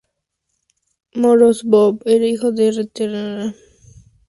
Morózov era hijo de un terrateniente y de una sierva.